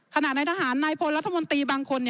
ขณะในทหารนายพลรัฐมนตรีบางคน